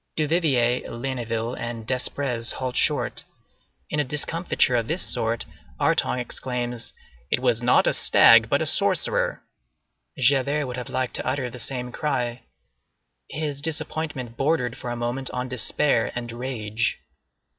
Duvivier, Ligniville, and Desprez halt short. In a discomfiture of this sort, Artonge exclaims, "It was not a stag, but a sorcerer." Javert would have liked to utter the same cry. His disappointment bordered for a moment on despair and rage.